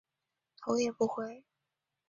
头也不回